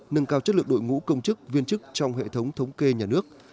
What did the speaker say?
nâng cao chất lượng đội ngũ công chức viên chức trong hệ thống thống kê nhà nước